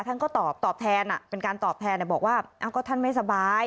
ท่านก็ตอบตอบแทนเป็นการตอบแทนบอกว่าก็ท่านไม่สบาย